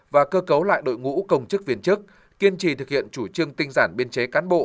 và cơ cấu lại đội ngũ công chức viên chức kiên trì thực hiện chủ trương tinh giản biên chế cán bộ